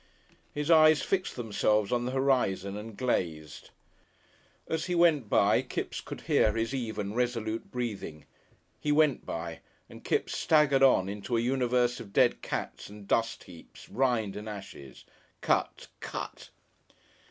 His eyes fixed themselves on the horizon and glazed. As he went by Kipps could hear his even, resolute breathing. He went by, and Kipps staggered on into a universe of dead cats and dust heaps, rind and ashes cut! Cut!